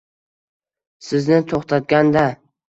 sizni to'xtatganda